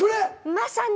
まさに！